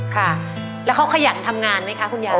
ค่ะแล้วเขาขยันทำงานไหมคะคุณยาย